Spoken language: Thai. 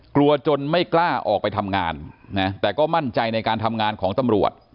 จนไม่กล้าออกไปทำงานนะแต่ก็มั่นใจในการทำงานของตำรวจ